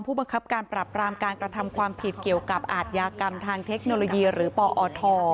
บังคับการปรับรามการกระทำความผิดเกี่ยวกับอาทยากรรมทางเทคโนโลยีหรือปอท